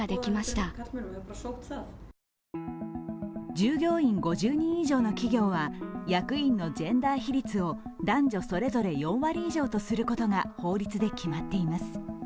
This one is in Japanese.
従業員５０人以上の企業は役員のジェンダー比率を男女それぞれ４割以上とすることが法律で決まっています。